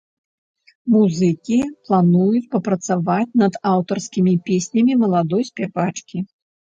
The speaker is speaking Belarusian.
Музыкі плануюць папрацаваць над аўтарскімі песнямі маладой спявачкі.